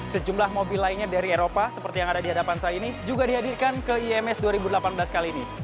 sejumlah mobil lainnya dari eropa seperti yang ada di hadapan saya ini juga dihadirkan ke ims dua ribu delapan belas kali ini